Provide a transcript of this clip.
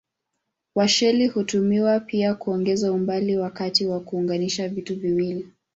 Washeli hutumiwa pia kuongeza umbali wakati wa kuunganisha vitu viwili.